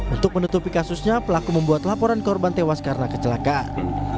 untuk menutupi kasusnya pelaku membuat laporan korban tewas karena kecelakaan